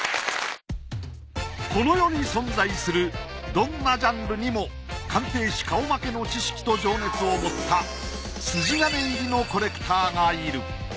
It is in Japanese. この世に存在するどんなジャンルにも鑑定士顔負けの知識と情熱を持った筋金入りのコレクターがいる。